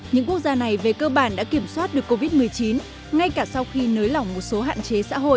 những quốc gia này về cơ bản đã kiểm soát được covid một mươi chín ngay cả sau khi nới lỏng một số hạn chế xã hội